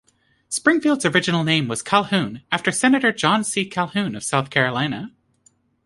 Springfield's original name was Calhoun, after Senator John C. Calhoun of South Carolina.